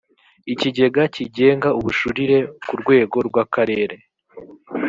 ikigega kigenga ubujurire ku rwego rw’akarere